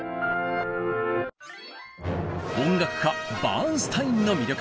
音楽家バーンスタインの魅力。